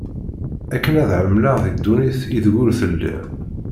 Akken ad hemleɣ di ddunit ideg ur telliḍ